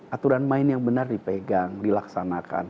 aturan main yang benar dipegang dilaksanakan